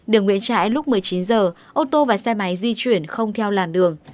đường nguyễn trãi lúc một mươi chín h ô tô và xe máy di chuyển không theo làn đường